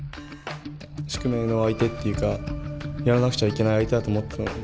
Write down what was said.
宿命の相手っていうかやらなくちゃいけない相手だと思っていたので。